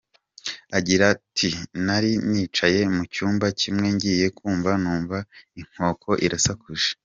Agira ati “Nari nicaye mu cyumba kimwe, ngiye kumva numva inkoko irasakuje.